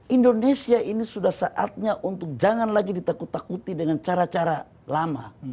indonesia ini sudah saatnya untuk jangan lagi ditakut takuti dengan cara cara lama